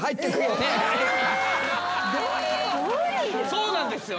そうなんですよね。